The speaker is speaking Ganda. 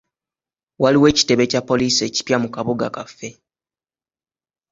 Waliwo ekitebe kya poliisi ekipya mu kabuga kaffe.